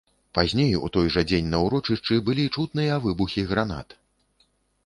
Пазней, у той жа дзень на ўрочышчы былі чутныя выбухі гранат.